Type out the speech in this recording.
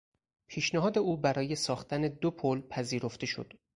پیشنهاد او برای ساختن دو پل پذیرفته شد.